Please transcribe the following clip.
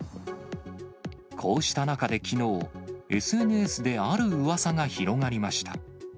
こうした中できのう、ＳＮＳであるうわさが広がりました。